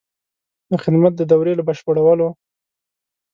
د خدمت د دورې له بشپړولو.